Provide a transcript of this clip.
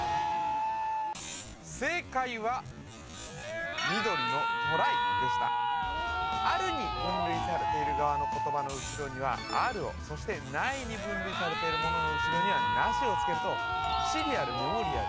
正解は緑のトライでした「ある」に分類されている側の言葉の後ろには「ある」をそして「ない」に分類されているものの後ろには「なし」を付けるとシリアルメモリアル